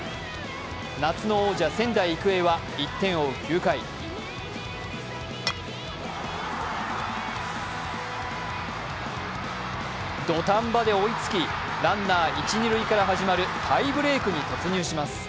夏の王者、仙台育英は１点を追う９回土壇場で追いつき、ランナー、一・二塁から始まるタイブレークに突入します。